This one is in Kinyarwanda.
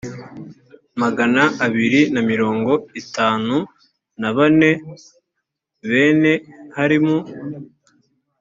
magana abiri na mirongo itanu na bane bene harimu